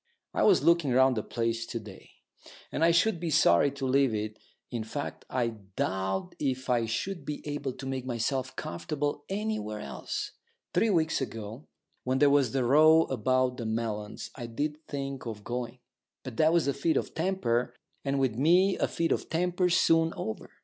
I was looking round the place to day, and I should be sorry to leave it in fact, I doubt if I should be able to make myself comfortable anywhere else. Three weeks ago, when there was that row about the melons, I did think of going. But that was a fit of temper, and with me a fit of temper's soon over.